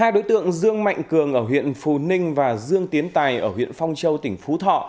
hai đối tượng dương mạnh cường ở huyện phù ninh và dương tiến tài ở huyện phong châu tỉnh phú thọ